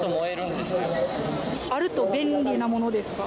あると便利なものですか？